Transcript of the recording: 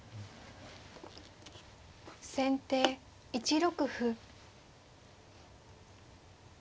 先手１六歩。